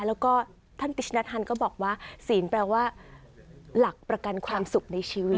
แล้วก็ท่านติชนทันก็บอกว่าศีลแปลว่าหลักประกันความสุขในชีวิต